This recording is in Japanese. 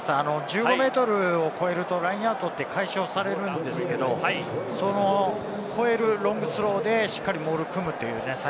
１５ｍを越えるとラインアウトって解消されるんですけれども、それを超えるロングスローでしっかりモールを組むという。